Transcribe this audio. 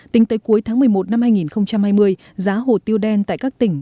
tính tới cuối tháng một mươi một năm hai nghìn hai mươi giá hồ tiêu đen tại các tỉnh